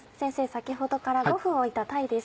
先ほどから５分置いた鯛です。